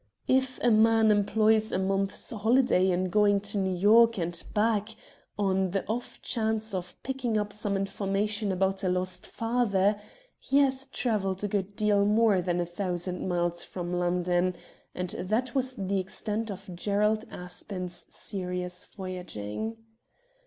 If a man employs a month's holiday in going to Xew York and back on lo RED DIAMONDS the off chance of picking up some information about a lost father, he has travelled a good deal more than a thousand miles from London, and that was the extent of Gerald Aspen's serious voyaging.